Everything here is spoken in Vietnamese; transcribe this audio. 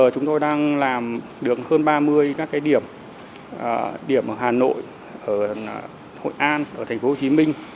chúng tôi đang làm được hơn ba mươi các điểm ở hà nội hội an tp hcm